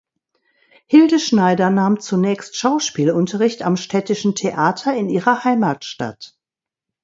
Hilde Schneider nahm zunächst Schauspielunterricht am Städtischen Theater in ihrer Heimatstadt.